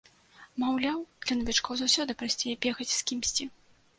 Маўляў, для навічкоў заўсёды прасцей бегаць з кімсьці.